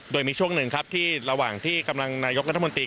โดยมีช่วงหนึ่งครับที่ระหว่างที่กำลังนายกรัฐมนตรี